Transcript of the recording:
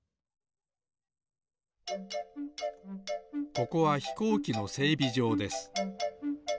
ここはひこうきのせいびじょうです。